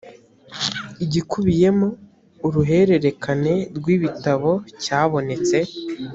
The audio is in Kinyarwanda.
igikubiyemo uruhererekane rw’ibitabo cyabonetse